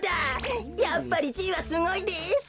やっぱりじいはすごいです！